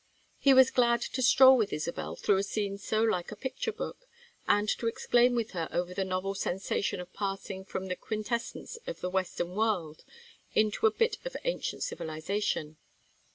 He was glad to stroll with Isabel through a scene so like a picture book, and to exclaim with her over the novel sensation of passing from the quintessence of the Western world into a bit of ancient civilization.